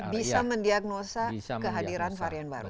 bisa mendiagnosa kehadiran varian baru